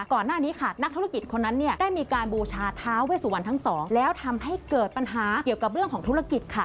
ก่อนหน้านี้ค่ะนักธุรกิจคนนั้นเนี่ยได้มีการบูชาท้าเวสุวรรณทั้งสองแล้วทำให้เกิดปัญหาเกี่ยวกับเรื่องของธุรกิจค่ะ